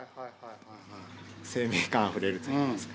生命感あふれるといいますか。